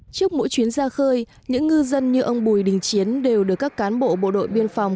trước mỗi chuyến ra khơi những ngư dân như ông bùi đình chiến đều được các cán bộ bộ đội biên phòng